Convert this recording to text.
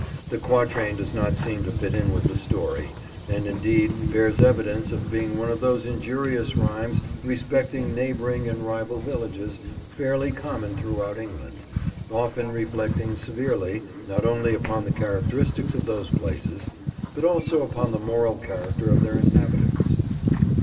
The quatrain does not seem to fit in with the story, and indeed bears evidence of being one of those injurious rhymes respecting neighbouring and rival villages fairly common throughout England, often reflecting severely, not only upon the characteristics of those places, but also upon the moral character of their inhabitants.